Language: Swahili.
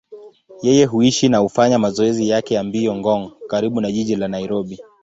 Yeye huishi na hufanya mazoezi yake ya mbio Ngong, karibu na jiji la Nairobi.